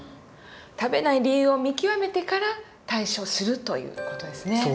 食べない理由を見極めてから対処するという事ですね。